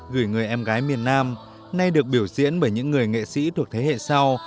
gửi người em gái miền nam nay được biểu diễn bởi những người nghệ sĩ thuộc thế hệ sau